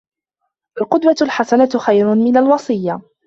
القدوة الحسنة خير من الوصية